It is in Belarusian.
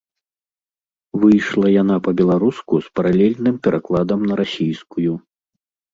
Выйшла яна па-беларуску з паралельным перакладам на расійскую.